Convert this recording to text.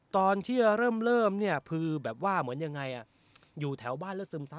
ตอนเริ่มอยู่แถวบ้านเลือดซึมซับ